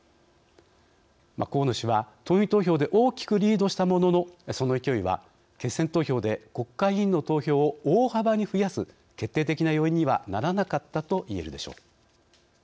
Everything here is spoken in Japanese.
河野氏は党員投票で大きくリードしたもののその勢いは決選投票で国会議員の投票を大幅に増やす決定的な要因にはならなかったといえるでしょう。